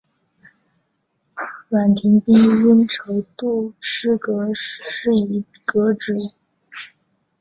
阮廷宾因筹度失宜革职。